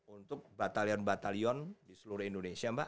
untuk batalion batalion di seluruh indonesia mbak